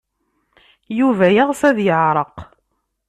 Yuba yeɣs ad yeɛreq.